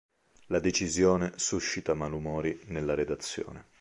La decisione suscita malumori nella redazione.